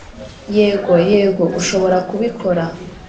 yego! yego! ushobora kubikora!